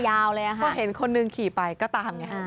ครับเพราะเห็นคนนึงขี่ไปก็ตามยังงี้